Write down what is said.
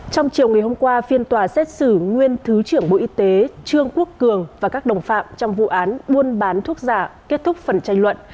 trong chiều ngày hôm qua phiên tòa xét xử nguyên thứ trưởng bộ y tế trương quốc cường và các đồng phạm trong vụ án buôn bán thuốc giả kết thúc phần tranh luận